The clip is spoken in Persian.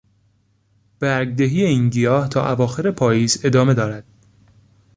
برگدهی این گیاه تا اواخر پاییز ادامه دارد.